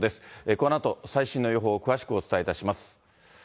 このあと最新の予報を詳しくお伝えいたします。